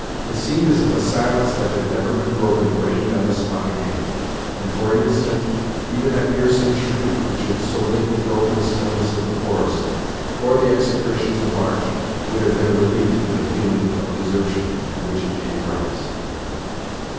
It seemed as if a silence that had never been broken reigned on the spot again; and, for an instant, even that piercing shriek, which had so lately broken the stillness of the forest, or the execrations of March, would have been a relief to the feeling of desertion to which it gave rise.